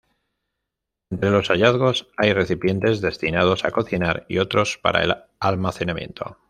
Entre los hallazgos hay recipientes destinados a cocinar y otros para el almacenamiento.